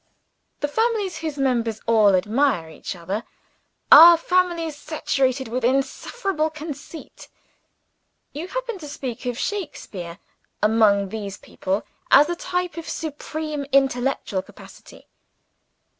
The families whose members all admire each other, are families saturated with insufferable conceit. You happen to speak of Shakespeare, among these people, as a type of supreme intellectual capacity.